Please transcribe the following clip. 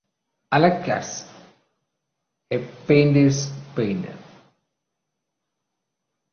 Alex Katz: a Painter's Painter.